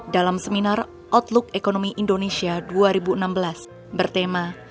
dalam seminar outlook ekonomi indonesia dua ribu enam belas bertema